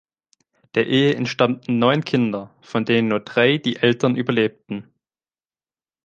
Der Ehe entstammten neun Kinder, von denen nur drei die Eltern überlebten.